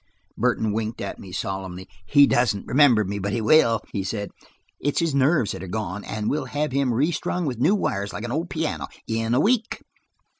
Burton winked at me solemnly. "He doesn't remember me, but he will," he said. "It's his nerves that are gone, and we'll have him restrung with new wires, like an old piano, in a week."